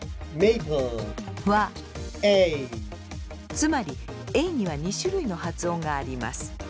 つまりａには２種類の発音があります。